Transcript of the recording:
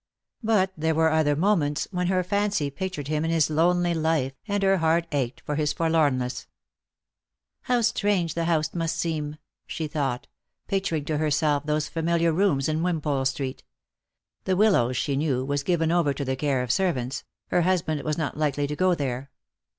But there were other moments, when her fancy pictured him in his lonely life, and her heart ached for his forlornness. Lost for Love. 315 " How strange the house must seem !" she thought, picturing to herself those familiar rooms in Wimpole street. The Wil lows, she knew, was given over to the care of servants; her husband was not likely to go there.